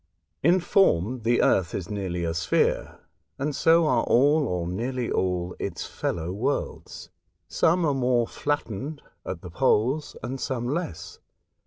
In form, the Earth is nearly a sphere, and so are all, or nearly all, its fellow worlds ; some are more flattened at the poles, and some less.